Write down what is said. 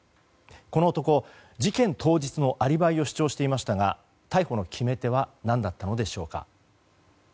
この男、事件当日のアリバイを主張していましたが逮捕の決め手は何だったんでしょうか。